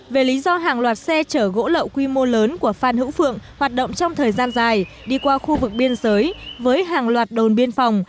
về lý do hàng loạt xe chở gỗ lậu quy mô lớn của phan hữu phượng hoạt động trong thời gian dài đi qua khu vực biên giới với hàng loạt đồn biên phòng